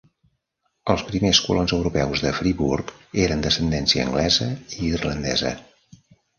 Els primers colons europeus de Freeburg eren d'ascendència anglesa i irlandesa.